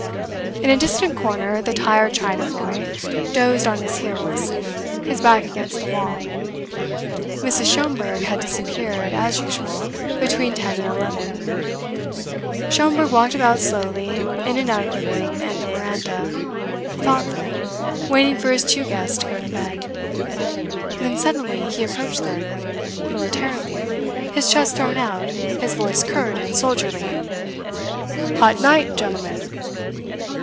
In a distant corner the tired China boy dozed on his heels, his back against the wall. Mrs. Schomberg had disappeared, as usual, between ten and eleven. Schomberg walked about slowly in and out of the room and the veranda, thoughtful, waiting for his two guests to go to bed. Then suddenly he approached them, militarily, his chest thrown out, his voice curt and soldierly. "Hot night, gentlemen."